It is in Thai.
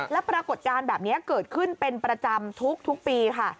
แล้วปรากฏการณ์แบบนี้เกิดขึ้นเป็นประจำทุกปีค่ะ